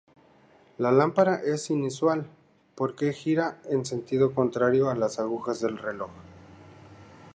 La lámpara es inusual porque gira en sentido contrario a las agujas del reloj.